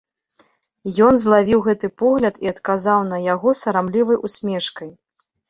Ён злавіў гэты погляд і адказаў на яго сарамлівай усмешкай.